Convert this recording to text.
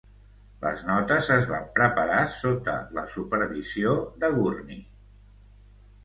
Les notes es van preparar sota la supervisió de Gurney.